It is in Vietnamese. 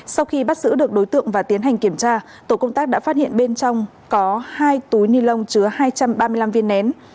sau khi bắt giữ được đối tượng và tiến hành kiểm tra tổ công tác đã phát hiện bên trong có hai túi ni lông chứa hai trăm ba mươi năm viên nén